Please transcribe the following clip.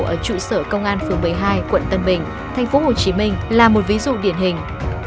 ở trụ sở công an phường một mươi hai quận tân bình tp hcm là một ví dụ điển hình